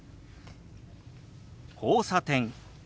「交差点」。